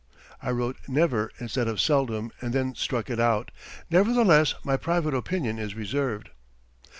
I wrote "never" instead of "seldom" and then struck it out. Nevertheless my private opinion is reserved.